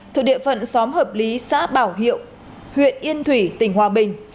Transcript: thuộc địa phận xóm hợp lý xã bảo hiệu huyện yên thủy tỉnh hòa bình